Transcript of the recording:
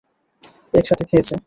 এক সাথে খেয়েছে।